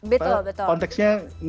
betul betul konteksnya